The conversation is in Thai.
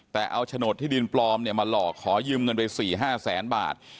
แต่เอาโฉนดที่ดินปลอมมาหลอกขอยืมเงินไป๔๕แสนบาท